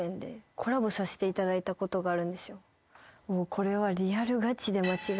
これは。